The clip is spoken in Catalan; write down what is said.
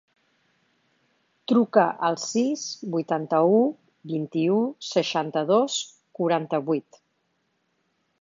Truca al sis, vuitanta-u, vint-i-u, seixanta-dos, quaranta-vuit.